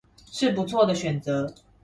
是不錯的選擇